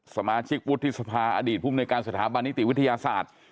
สมาชิกวุฒิสภาอดีตภูมิในการสถาบันนิติวิทยาศาสตร์